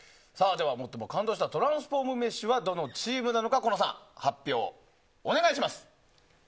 では、最も感動したトランスフォーム飯はどのチームなのか、狐野さん発表をお願いします。